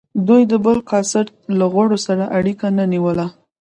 دوی د بل کاسټ له غړو سره اړیکه نه نیوله.